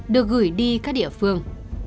được gửi đi các địa phương